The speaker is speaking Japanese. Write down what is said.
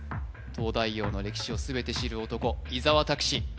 「東大王」の歴史を全て知る男伊沢拓司